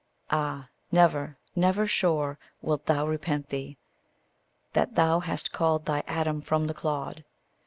Ah, never, never, sure, wilt thou repent thee, That thou hast called thy Adam from the clod!